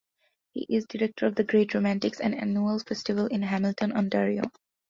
He is director of "The Great Romantics", an annual festival in Hamilton, Ontario.